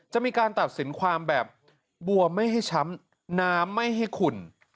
จะมีการตัดสินความแบบบัวไม่ให้ช้ำน้ำไม่ให้ขุ่น